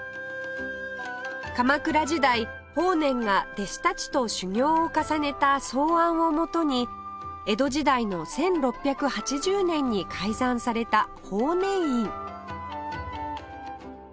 鎌倉時代法然が弟子たちと修行を重ねた草庵をもとに江戸時代の１６８０年に開山された法然院